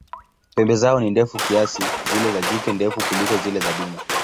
Pembe zao ni ndefu kiasi, zile za jike ndefu kuliko zile za dume.